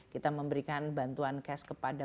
kita memberikan bantuan cash kepada